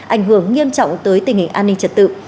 ảnh hưởng nghiêm trọng tới tình hình an ninh trật tự